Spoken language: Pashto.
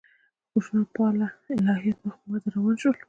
خشونت پاله الهیات مخ په وده روان شول.